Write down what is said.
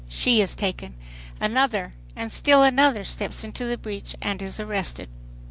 She is taken. Another, and still another steps into the breach and is arrested.